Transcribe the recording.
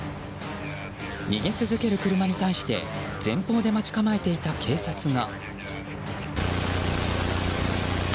逃げ続ける車に対して前方で待ち構えていた警察が。